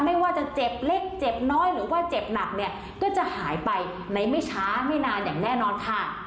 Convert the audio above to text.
ไม่ว่าจะเจ็บเล็กเจ็บน้อยหรือว่าเจ็บหนักเนี่ยก็จะหายไปในไม่ช้าไม่นานอย่างแน่นอนค่ะ